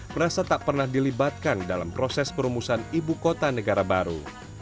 merasa tak pernah dilibatkan dalam proses perumusan ibu kota negara baru